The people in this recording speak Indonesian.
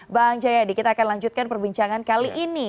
bang jayadi kita akan lanjutkan perbincangan kali ini